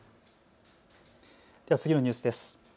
では次のニュースです。